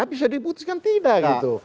bisa diputuskan tidak gitu